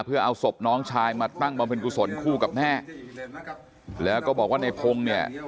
เพื่อเอาศพน้องชายมาตั้งบำเพ็ญกุศลคู่กับแม่แล้วก็บอกว่าในพงศ์เนี่ย